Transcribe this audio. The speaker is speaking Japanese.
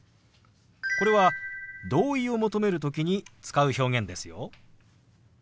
これは同意を求める時に使う表現ですよ。